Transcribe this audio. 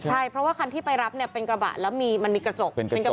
ใช่เพราะว่าคันที่ไปรับเนี่ยเป็นกระบะแล้วมันมีกระจกเป็นกระจก